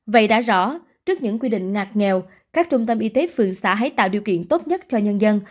vậy đã rõ trước những quy định ngạc nghèo các trung tâm y tế phường xã tạo điều kiện tốt nhất cho nhân dân